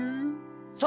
そう。